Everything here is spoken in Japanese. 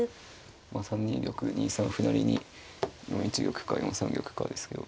まあ３二玉２三歩成に４一玉か４三玉かですけど。